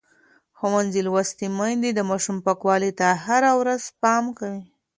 ښوونځې لوستې میندې د ماشومانو پاکوالي ته هره ورځ پام کوي.